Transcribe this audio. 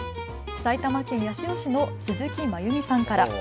埼玉県八潮市の鈴木まゆみさんから。